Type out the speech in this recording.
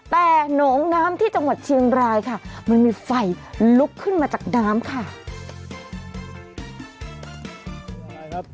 แต่หนองน้ำที่จังหวัดเชียงรายค่ะมันมีไฟลุกขึ้นมาจากน้ำค่ะ